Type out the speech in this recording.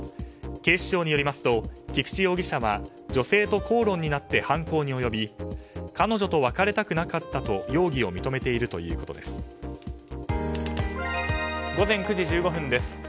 警視庁によりますと菊地容疑者は女性と口論になって犯行に及び彼女と別れたくなかったと容疑を認めているということです。